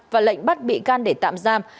và lệnh bắt bị can để tạm giam